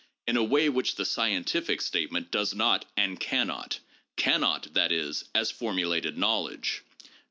] in a way which the scientific statement does not and cannot ; cannot, that is, as formulated knowledge" (p.